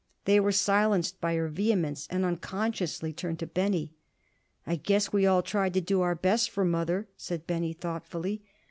They were silenced by her vehemence, and unconsciously turned to Benny. "I guess we all tried to do our best for mother," said Benny, thoughtfully.